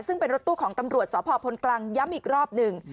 ซึ่งเป็นรถตู้ของตำรวจสพพลกลางย้ำอีกรอบหนึ่ง